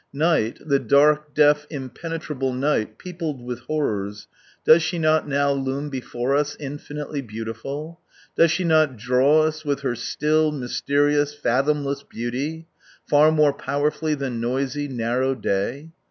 Night, the dark, deaf, impenetrable night, peopled with horrors — does she not now loom before us, infinitely beautiful ? Does she not draw us with her still, mysteri ous, fathomless beauty, far more powerfully than noisy, narrow day